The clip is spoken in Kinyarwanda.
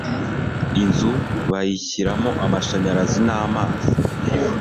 Inzu bayishyiramo amashanyarazi n'amazi.